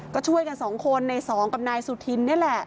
ก็ช่วยกันสองคนในสองกับนายสุธิน